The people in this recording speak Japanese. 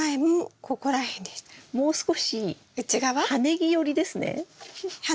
もう少し葉ネギ寄りですね。